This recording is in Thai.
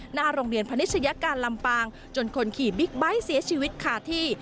หน้าโรงเรียนพนิชยการลำปางจนคนขี่บิ๊กไบท์เสียชีวิตขาดที่